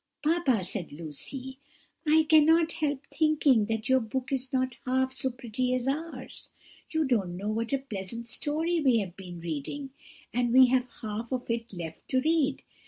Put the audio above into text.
"Papa," said Lucy, "I cannot help thinking that your book is not half so pretty as ours. You don't know what a pleasant story we have been reading, and we have half of it left to read.